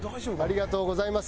ありがとうございます。